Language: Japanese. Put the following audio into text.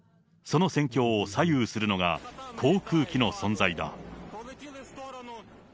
その戦況を左右するのが、航空機の存在だ。